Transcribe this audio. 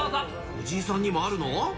藤井さんにもあるの？